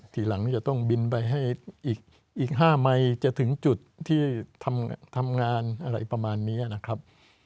ทีหลังนี้จะต้องบินไปให้อีก๕ไมค์จะถึงจุดที่ทำงานอะไรประมาณนี้นะครับ